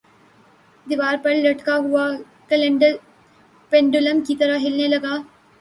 دیوار پر لٹکا ہوا کیلنڈر پنڈولم کی طرح ہلنے لگا